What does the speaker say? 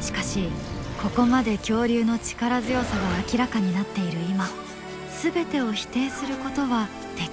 しかしここまで恐竜の力強さが明らかになっている今全てを否定することはできるのか？